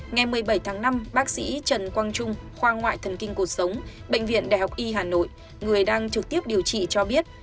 ngày một mươi bảy tháng năm bác sĩ trần quang trung khoa ngoại thần kinh cuộc sống bệnh viện đại học y hà nội người đang trực tiếp điều trị cho biết